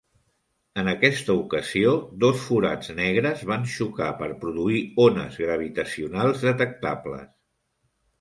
En aquest ocasió, dos forats negres van xocar per produir ones gravitacionals detectables.